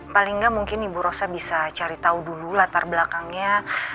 paling nggak mungkin ibu rosa bisa cari tahu dulu latar belakangnya